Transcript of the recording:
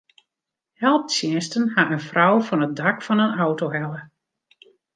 Helptsjinsten ha in frou fan it dak fan in auto helle.